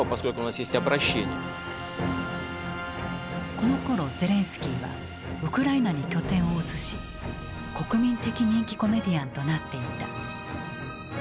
このころゼレンスキーはウクライナに拠点を移し国民的人気コメディアンとなっていた。